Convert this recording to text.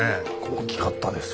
大きかったです